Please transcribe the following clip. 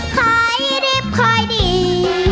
ค่อยรีบค่อยดี